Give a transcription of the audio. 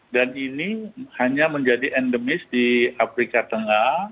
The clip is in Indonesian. ini hanya menjadi endemis di afrika tengah